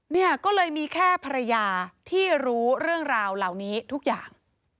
เนี่ยก็เลยมีแค่ภรรยาที่รู้เรื่องราวเหล่านี้ทุกอย่าง